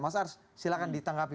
mas ars silahkan ditangkapi